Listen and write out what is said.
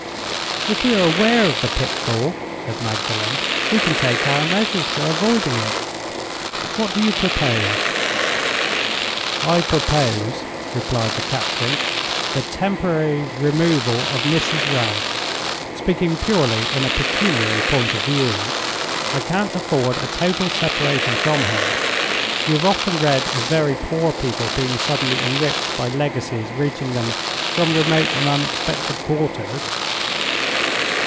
"If we are aware of the pitfall," said Magdalen, "we can take our measures for avoiding it. What do you propose?" "I propose," replied the captain, "the temporary removal of Mrs. Wragge. Speaking purely in a pecuniary point of view, I can't afford a total separation from her. You have often read of very poor people being suddenly enriched by legacies reaching them from remote and unexpected quarters?